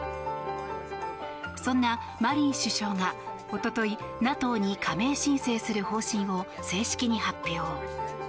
そんなマリン首相が一昨日ＮＡＴＯに加盟申請する方針を正式に発表。